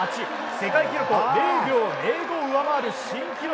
世界記録を０秒０５上回る新記録。